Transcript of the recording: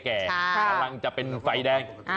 กำลังจะเป็นไฟแดง